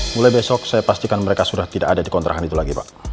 mulai besok saya pastikan mereka sudah tidak ada di kontrakan itu lagi pak